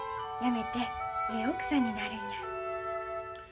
やめてええ奥さんになるんや。